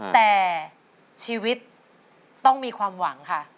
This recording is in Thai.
แต่ชีวิตต้องมีความหวังค่ะ